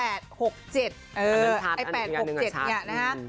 เออไอ้๘๖๗อันนี้น่ะนะครับ